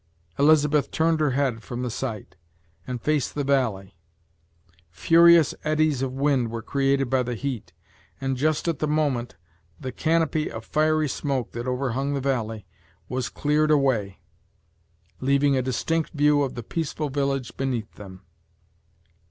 Elizabeth turned her head from the sight, and faced the valley Furious eddies of wind were created by the heat, and, just at the moment, the canopy of fiery smoke that overhung the valley was cleared away, leaving a distinct view of the peaceful village beneath them.